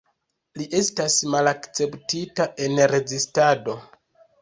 Li estas malakceptita en rezistado.